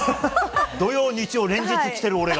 土曜、日曜連日来てる俺が。